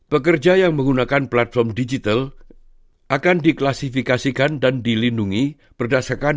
pekerja yang menggunakan platform digital akan diklasifikasikan dan dilindungi berdasarkan